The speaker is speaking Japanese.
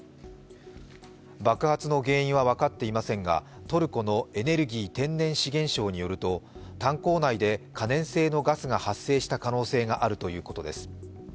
爆発の原因は分かっていませんが、トルコのエネルギー天然資源相によると炭鉱内で可燃性のガスが発生した可能性があるということです。